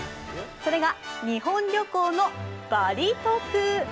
それが日本旅行のバリ得。